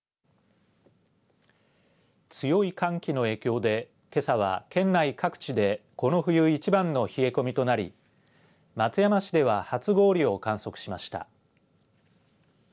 強い寒気の影響でけさは県内各地でこの冬一番の冷え込みとなり松山市では初氷を観測しました。